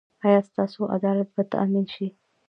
ایا ستاسو عدالت به تامین شي؟